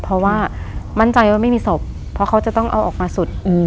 เพราะว่ามั่นใจว่าไม่มีศพเพราะเขาจะต้องเอาออกมาสุด